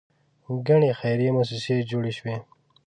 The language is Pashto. ګڼې خیریه موسسې جوړې شوې.